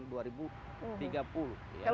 kalau sekarang berapa